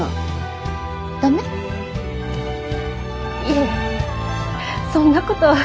いえそんなことは。